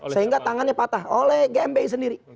sehingga tangannya patah oleh gmbi sendiri